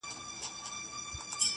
o نن: سیاه پوسي ده.